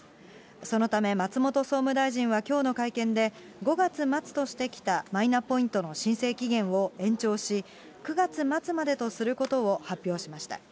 そのため、松本総務大臣はきょうの会見で、５月末としてきたマイナポイントの申請期限を延長し、９月末までとすることを発表しました。